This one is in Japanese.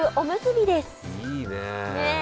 いいねえ。